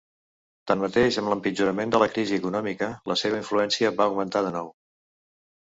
Tanmateix, amb l'empitjorament de la crisi econòmica, la seva influència va augmentar de nou.